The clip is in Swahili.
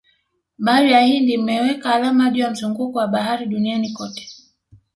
Bahari ya Hindi imeweka alama juu ya mzunguko wa bahari duniani kote